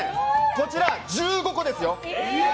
こちら、１５個ですよ？